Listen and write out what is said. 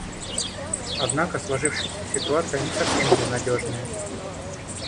Однако сложившаяся ситуация не совсем безнадежная.